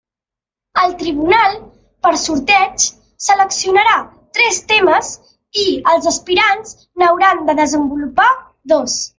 El Tribunal per sorteig seleccionarà tres temes i els aspirants n'hauran de desenvolupar dos.